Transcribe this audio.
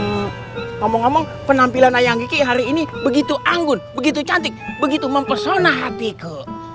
hmm ngomong ngomong penampilan ayang kiki hari ini begitu anggun begitu cantik begitu mempesona hatiku